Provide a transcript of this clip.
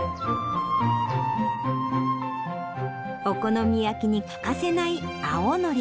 お好み焼きに欠かせない青のり。